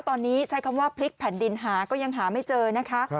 ตอนนี้ใช้คำว่าพลิกแผ่นดินหาก็ยังหาไม่เจอนะคะ